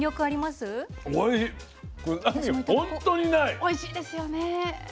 おいしいですよね。